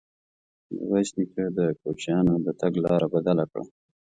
ميرويس نيکه د کوچيانو د تګ لاره بدله کړه.